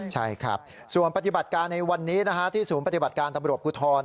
ใช่ครับส่วนปฏิบัติการในวันนี้ที่ศูนย์ปฏิบัติการตำรวจภูทร